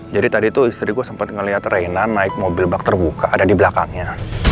jadi tadi tuh istri gue sempet ngeliat reina naik mobil bak terbuka ada di belakangnya